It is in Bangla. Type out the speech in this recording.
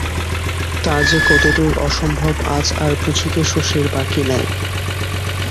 তা যে কতদূর অসম্ভব আজ আর বুঝিতে শশীর বাকি নাই।